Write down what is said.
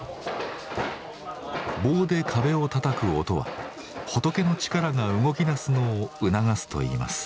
棒で壁をたたく音は仏の力が動きだすのを促すといいます。